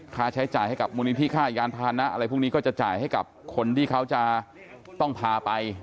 ค่าใช้จ่ายให้กับมูลนิธิค่ายานพานะอะไรพวกนี้ก็จะจ่ายให้กับคนที่เขาจะต้องพาไป